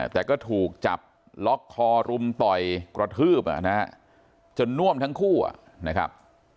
แต่ก็ถูกจับล็อกคอรุมต่อยกระทืบจนน่วมทั้งคู่นะครับ